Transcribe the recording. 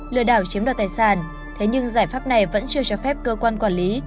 lừa đảo chiếm đoạt tài sản thế nhưng giải pháp này vẫn chưa cho phép cơ quan quản lý